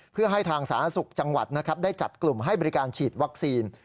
เพื่อให้ทางสาธารณสุขจังหวัดนะครับได้จัดกลุ่มให้บริการฉีดวัคซีน